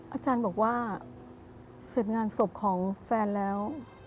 อาจารย์บอกว่าเสร็จงานศพของแฟนแล้ว